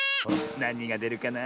なにがでるかな？